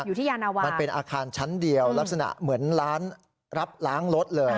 ยานาวามันเป็นอาคารชั้นเดียวลักษณะเหมือนร้านรับล้างรถเลย